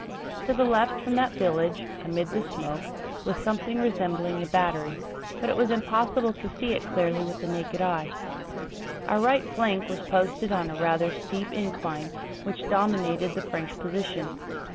To the left from that village, amid the smoke, was something resembling a battery, but it was impossible to see it clearly with the naked eye. Our right flank was posted on a rather steep incline which dominated the French position.